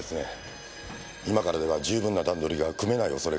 今からでは十分な段取りが組めない恐れがあります。